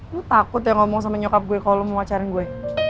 lu takut ya ngomong sama nyokap gue kalau mau ngajarin gue